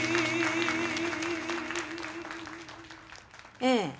ええ。